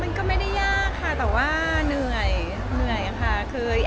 มันก็ไม่ได้ยากค่ะแต่ว่าเหนื่อยค่ะ